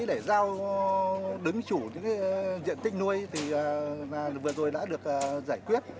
để giao đứng chủ những diện tích nuôi vừa rồi đã được giải quyết